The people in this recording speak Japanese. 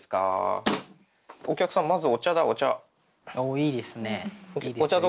おいいですね。